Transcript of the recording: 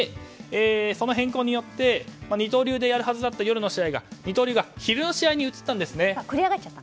その変更によって二刀流でやるはずだった夜の試合が、二刀流が昼の試合に移ったんですね。